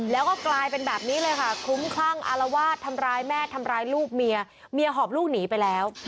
แล้วก็กลายเป็นแบบนี้เลยค่ะคลุ้มคลั่งอารวาสทำร้ายแม่ทำร้ายลูกเมียเมียหอบลูกหนีไปแล้ว